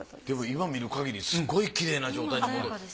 でも今見るかぎりすごいきれいな状態のもの。